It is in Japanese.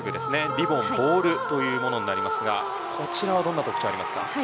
リボン・ボールというものになりますがこちらはどんな特徴がありますか。